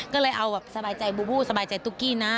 ก็เลยเอาแบบสบายใจบูบูสบายใจตุ๊กกี้นะ